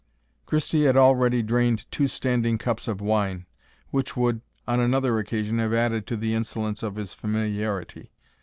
Christie had already drained two standing cups of wine, which would, on another occasion, have added to the insolence of his familiarity.